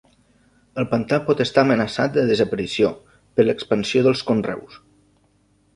El pantà pot estar amenaçat de desaparició, per l'expansió dels conreus.